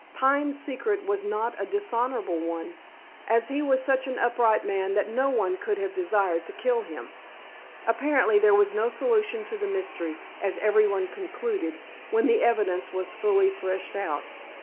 Pine's secret was not a dishonorable one, as he was such an upright man that no one could have desired to kill him." Apparently there was no solution to the mystery, as every one concluded, when the evidence was fully threshed out.